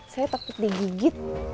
saya takut digigit